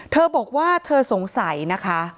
เธอบอกว่าเธอสงสัยนะคะ